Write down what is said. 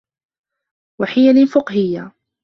وَحِيَلٍ فِقْهِيَّةٍ